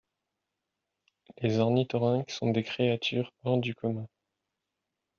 Les ornithorynques sont des créatures hors du commun.